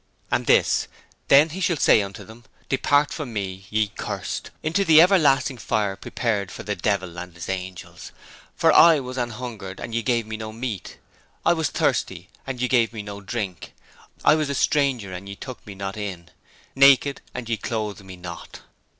And this: 'Then shall He say unto them: Depart from me, ye cursed, into the everlasting fire prepared for the devil and his angels: for I was an hungered and ye gave Me no meat: I was thirsty and ye gave Me no drink: I was a stranger and ye took Me not in; naked, and ye clothed Me not.